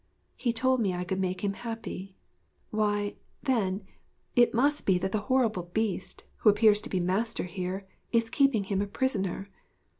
'He told me I could make him happy. Why, then, it must be that the horrible Beast, who appears to be master here, is keeping him a prisoner.